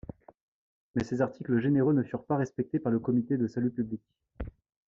Mais ces articles généreux ne furent pas respectés par le Comité de salut public.